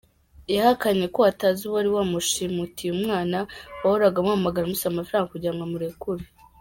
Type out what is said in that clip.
Yahakanye ko atazi uwari wamushimutiye umwana wahoraga amuhamagara amusaba amafaranga kugira ngo amurekure.